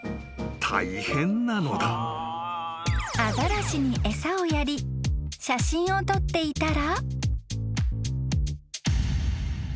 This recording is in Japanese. ［アザラシに餌をやり写真を撮っていたら］